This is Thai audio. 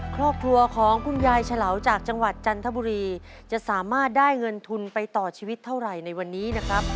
ครอบครัวของคุณยายเฉลาจากจังหวัดจันทบุรีจะสามารถได้เงินทุนไปต่อชีวิตเท่าไหร่ในวันนี้นะครับ